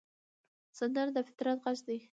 سندره د فطرت غږ دی